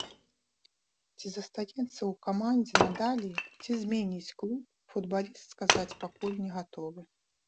Ці застанецца ў камандзе надалей, ці зменіць клуб, футбаліст сказаць пакуль не гатовы.